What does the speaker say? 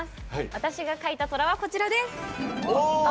私が書いた「寅」はこちらです。